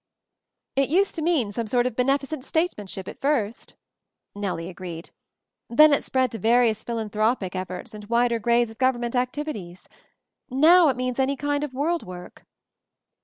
"It used to mean some sort of beneficent statesmanship, at first," Nellie agreed. "Then it spread to various philanthropic ef forts and wider grades of government activ ities. Now it means any kind of world work."